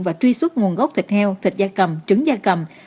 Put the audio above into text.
và truy xuất nguồn gốc thịt heo thịt da cầm trứng da cầm